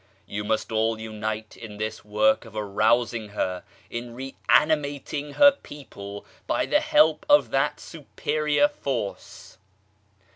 You must all unite in this work of arousing her, in reanimating her people by the help of that Superior Force.